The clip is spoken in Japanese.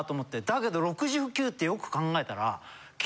だけど６９ってよく考えたら。